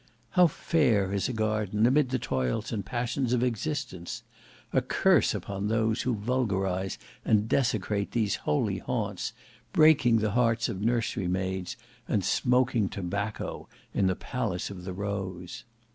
How fair is a garden amid the toils and passions of existence! A curse upon those who vulgarize and desecrate these holy haunts; breaking the hearts of nursery maids, and smoking tobacco in the palace of the rose!